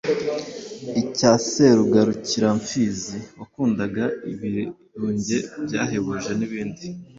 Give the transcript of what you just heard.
icya Serugarukiramfizi wakundaga ibirunge byahebuje n’ibindi.